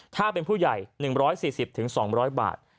ถ้าเป็นผู้ใหญ่หนึ่งร้อยสี่สิบถึงสองร้อยบาท